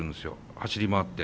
走り回って。